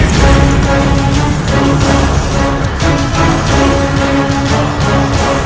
semoga allah selalu melindungi kita